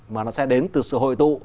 mà nó sẽ đến từ sự hội tụ